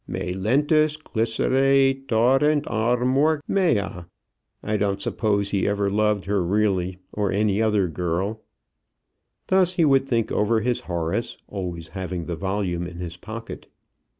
'Me lentus Glyceræ torret amor meæ.' I don't suppose he ever loved her really, or any other girl." Thus he would think over his Horace, always having the volume in his pocket.